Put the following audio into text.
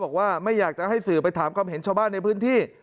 บอกว่าไม่อยากจะให้สื่อไปถามความเห็นชาวบ้านในพื้นที่